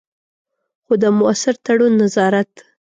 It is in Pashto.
خو د مؤثر تړون، نظارت.